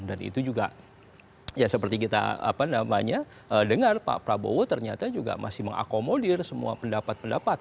itu juga ya seperti kita dengar pak prabowo ternyata juga masih mengakomodir semua pendapat pendapat